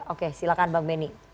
oke silahkan mbak benny